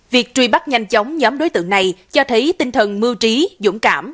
việc truy bắt nhanh chóng nhóm đối tượng này cho thấy tinh thần mưu trí dũng cảm